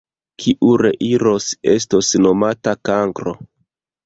Kiu reiros, estos nomata kankro!